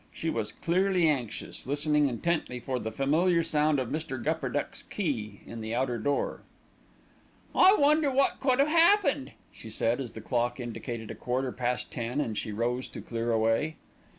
She was clearly anxious, listening intently for the familiar sound of Mr. Gupperduck's key in the outer door. "I wonder what could have happened?" she said as the clock indicated a quarter past ten and she rose to clear away.